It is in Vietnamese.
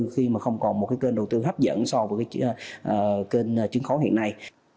khi mà không còn một kênh đầu tư hấp dẫn so với kênh chứng khoán hiện nay